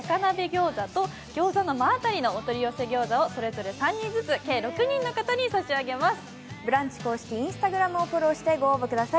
ギョーザと餃子の馬渡のお取り寄せギョーザをそれぞれ３人ずつ、計６人の方に差し上げます。